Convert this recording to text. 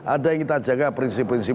ada yang kita jaga prinsip prinsip